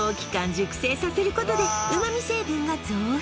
熟成させることで旨味成分が増幅！